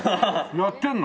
やってるの？